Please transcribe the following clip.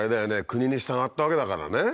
国に従ったわけだからね。